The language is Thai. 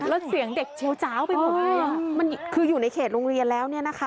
รัดเสียงเด็กเฉี๊ยวไปหมดมันอยู่ในเขตรุงเรียนแล้ว